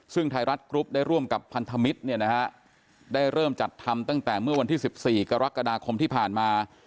ซึ่งไทยรัฐกรุ๊ปได้ร่วมกับพันธมิตรเนี่ยนะฮะได้เริ่มจัดทำตั้งแต่เมื่อวันที่๑๔กรกฎาคมที่ผ่านมา